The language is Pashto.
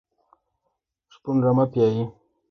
شپون رمه پيایي.